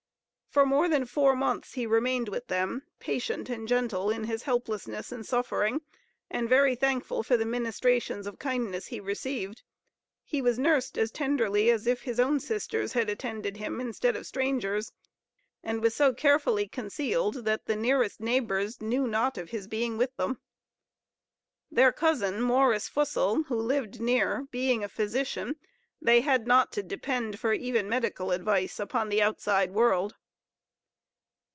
For more than four months he remained with them, patient and gentle in his helplessness and suffering, and very thankful for the ministrations of kindness he received. He was nursed as tenderly as if his own sisters had attended him, instead of strangers, and was so carefully concealed that the nearest neighbors knew not of his being with them. Their cousin, Morris Fussell, who lived near, being a physician, they had not to depend for even medical advice upon the outside world.